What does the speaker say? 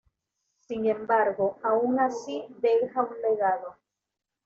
Sin embargo aún así deja un legado.